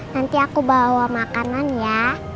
nanti aku bawa makanan ya